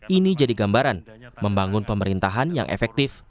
ini jadi gambaran membangun pemerintahan yang efektif